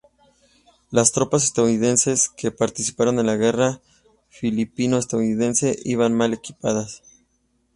Las tropas estadounidenses que participaron en la Guerra filipino-estadounidense iban mal equipadas.